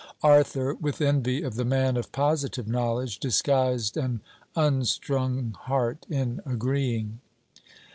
Arthur, with envy of the man of positive knowledge, disguised an unstrung heart in agreeing.